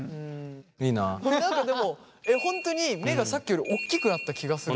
何かでも本当に目がさっきよりおっきくなった気がする。